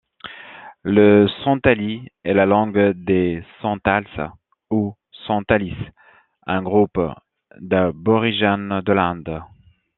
Le santali est la langue des Santals ou Santalis, un groupe d'aborigènes de l'Inde.